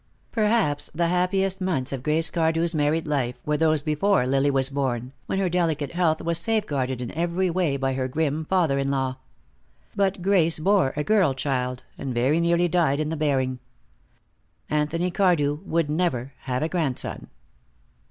Perhaps the happiest months of Grace Cardew's married life were those before Lily was born, when her delicate health was safeguarded in every way by her grim father in law. But Grace bore a girl child, and very nearly died in the bearing. Anthony Cardew would never have a grandson.